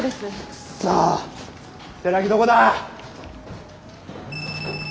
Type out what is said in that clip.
クソ寺木どこだ？